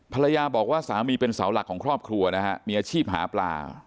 ภรรยาบอกว่าสามีเป็นเสาหลักของครอบครัวนะฮะมีอาชีพหาปลา